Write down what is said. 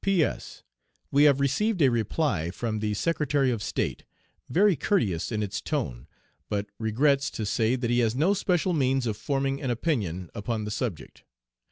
P. S. We have received a reply from the Secretary of State very courteous in its tone but "regrets" to say that he has "no special means of forming an opinion upon the subject.